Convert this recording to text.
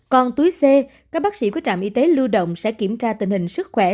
còn túi c các bác sĩ của trạm y tế lưu động sẽ kiểm tra tình hình sức khỏe